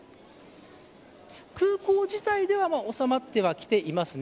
空港自体では収まってはきていますね。